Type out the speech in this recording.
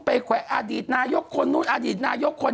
ไปแข่อดีตนายกคนนู้น